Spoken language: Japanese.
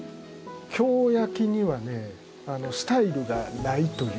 京焼にはねスタイルがないということなんです。